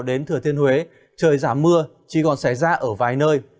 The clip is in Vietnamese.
đến thừa thiên huế trời giảm mưa chỉ còn xảy ra ở vài nơi